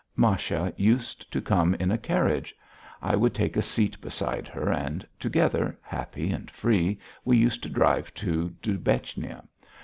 Masha used to come in a carriage. I would take a seat beside her and together, happy and free, we used to drive to Dubechnia.